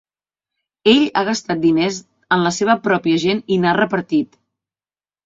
Ell ha gastat diners en la seva pròpia gent i n'ha repartit.